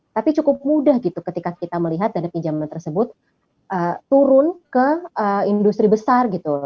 tapi cukup mudah gitu ketika kita melihat dana pinjaman tersebut turun ke industri besar gitu